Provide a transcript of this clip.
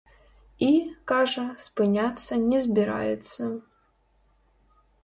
І, кажа, спыняцца не збіраецца.